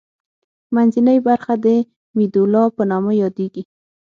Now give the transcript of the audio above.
منځنۍ برخه د میدولا په نامه یادیږي.